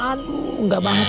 aduh gak banget